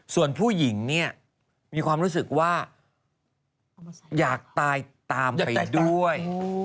ส่วนผู้หญิงเนี่ยมีความรู้สึกว่าอยากตายตามไปด้วย